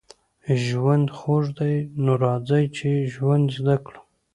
ژوند خوږ دی نو راځئ چې ژوند زده کړو